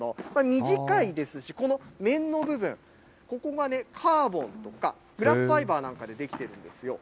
短いですし、この面の部分、ここがね、カーボンとかグラスファイバーなどで出来ているんですよ。